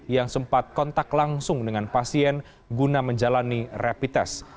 yang sempat kontak langsung dengan pasien guna menjalani rapid test